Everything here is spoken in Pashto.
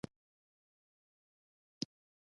زما پلار د کلي د شورا مشر ده او د خلکو ستونزې حل کوي